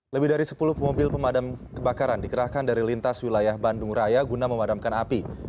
lebih dari sepuluh pemobil pemadam kebakaran dikerahkan dari lintas wilayah bandung raya guna memadamkan api